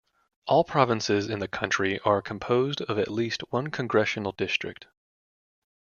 All provinces in the country are composed of at least one congressional district.